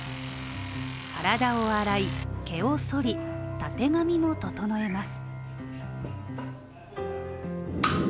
体を洗い、毛をそり、たてがみも整えます。